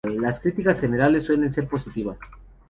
Las críticas generales suelen ser positivas.